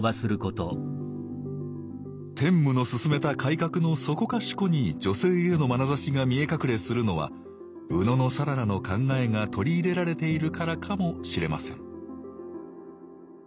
天武の進めた改革のそこかしこに女性へのまなざしが見え隠れするのは野讃良の考えが取り入れられているからかもしれません